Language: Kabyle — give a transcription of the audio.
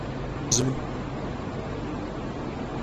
Yegzem-d abrid seg teẓgi.